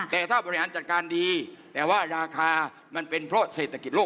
แต่ถ้าบริหารจัดการดีแต่ว่าราคามันเป็นเพราะเศรษฐกิจโลก